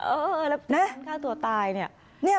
เออแล้วยึวนั้นภาพทำจะตายเนี่ย